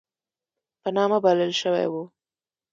په نامه بلل شوی وو.